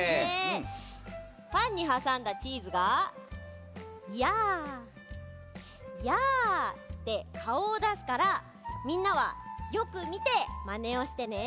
パンにはさんだチーズが「やあやあ」ってかおをだすからみんなはよくみてマネをしてね。